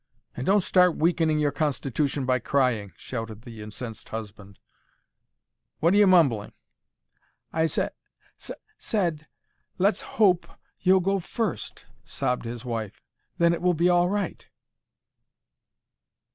"And don't start weakening your constitution by crying," shouted the incensed husband. "What are you mumbling?" "I sa—sa—said, let's hope—you'll go first," sobbed his wife. "Then it will be all right."